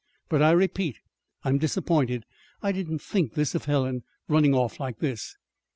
But, I repeat, I'm disappointed. I didn't think this of Helen running off like this!"